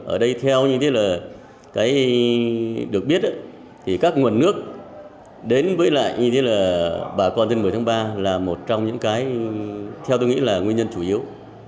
ở đây theo như thế là cái được biết thì các nguồn nước đến với lại như thế là bà con trên một mươi tháng ba là một trong những cái theo tôi nghĩ là nguyên nhân chủ yếu